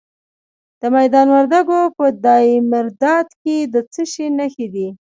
د میدان وردګو په دایمیرداد کې د څه شي نښې دي؟